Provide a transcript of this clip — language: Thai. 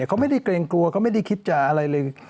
เขาไม่ได้เกรงกลัวเขาไม่ได้คิดจะอะไรเลย